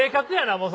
もうそれ。